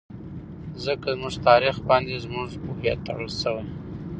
ځکه زموږ تاريخ باندې زموږ هويت ټړل شوى.